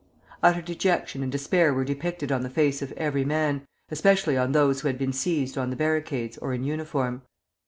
Utter dejection and despair were depicted on the face of every man, especially on those who had been seized on the barricades or in uniform.